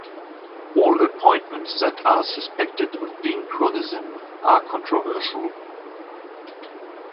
All appointments that are suspected of being cronyism are controversial.